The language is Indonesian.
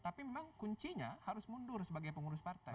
tapi memang kuncinya harus mundur sebagai pengurus partai